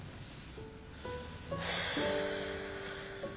ふう。